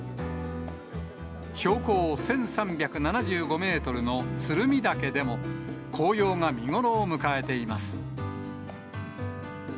標高１３７５メートルの鶴見岳でも、紅葉が見頃を迎えています。